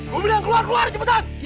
gue bilang keluar keluar cepetan